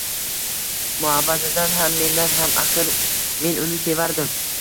Muhabbatidan ham, mendan ham. Axir, men uni sevardim…